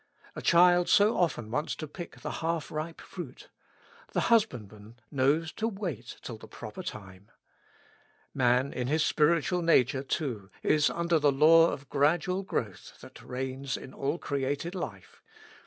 A child so often wants to pick the half ripe fruit; the husbandman knows to wait till the proper time. Man, in his spiritual nature, too, is under the law of gradual growth that reigns in all created life.